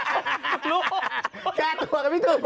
กล้าตัวกันไม่ถูก